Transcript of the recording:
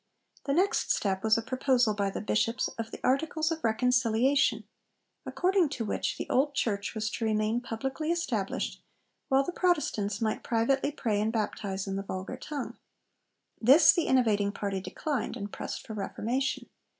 The next step was a proposal by the Bishops of 'Articles of Reconciliation,' according to which the Old Church was to remain publicly established, while the Protestants might privately pray and baptise in the vulgar tongue. This the innovating party declined, and pressed for 'reformation.'